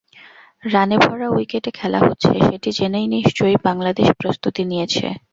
রানে ভরা উইকেটে খেলা হচ্ছে, সেটি জেনেই নিশ্চয়ই বাংলাদেশ প্রস্তুতি নিয়েছে।